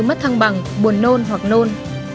mất thăng bằng buồn nôn hoặc nôn